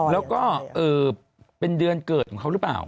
แล้วก็เป็นเดือนเกิดของเขาหรือเปล่า